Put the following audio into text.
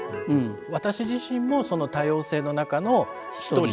私自身もその多様性の中の一人。